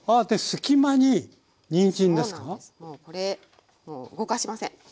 もうこれもう動かしません！